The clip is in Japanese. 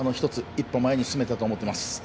一歩前に進めたと思っています。